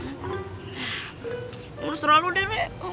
nah jangan seru seru deh rea